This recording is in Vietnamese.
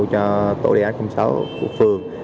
cho tổ đề án sáu của phường